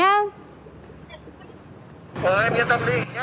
ờ em yên tâm đi nhé